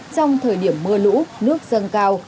trong thời điểm mưa lũ nước dâng cao